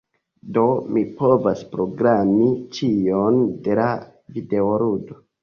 Do mi povas programi ĉion de la videoludo.